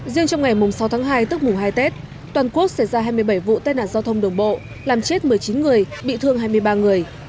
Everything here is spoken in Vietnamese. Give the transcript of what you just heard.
riêng trong ngày sáu tháng hai tức mùng hai tết toàn quốc xảy ra hai mươi bảy vụ tai nạn giao thông đường bộ làm chết một mươi chín người bị thương hai mươi ba người